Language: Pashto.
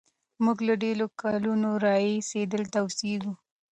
موږ له ډېرو کلونو راهیسې دلته اوسېږو.